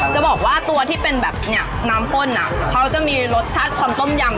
จะบอกว่าตัวที่เป็นแบบเนี่ยน้ำข้นอ่ะเขาจะมีรสชาติความต้มยำ